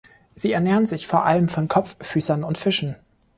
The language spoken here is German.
Sie ernähren sich vor allem von Kopffüßern und Fischen.